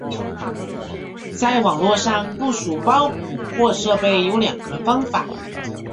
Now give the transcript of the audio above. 在网络上部署包捕获设备有两个方法。